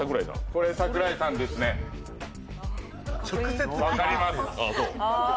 これ、桜井さんですね、分かりますよ。